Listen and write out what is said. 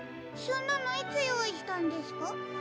そんなのいつよういしたんですか？